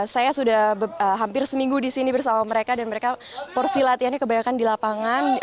saya sudah hampir seminggu di sini bersama mereka dan mereka porsi latihannya kebanyakan di lapangan